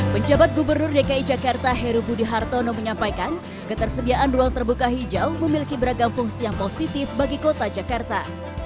penjabat gubernur dki jakarta heru budi hartono menyampaikan ketersediaan ruang terbuka hijau memiliki beragam fungsi yang positif bagi kota jakarta